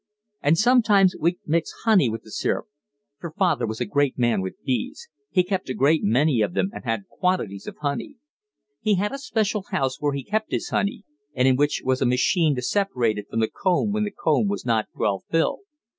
And sometimes we'd mix honey with the syrup; for father was a great man with bees; he kept a great many of them and had quantities of honey. He had a special house where he kept his honey, and in which was a machine to separate it from the comb when the comb was not well filled.